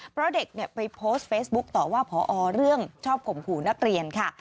เพราะเด็กไปโพสต์เฟซบุ๊กต่อว่าพอเรื่องชอบข่มขู่นักเรียนค่ะ